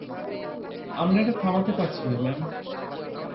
আমরা এটা থামাতে পারছি না, ম্যাম।